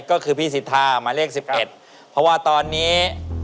ก็คือพี่สิทธามาเลขสิบเอ็ดครับเพราะว่าตอนนี้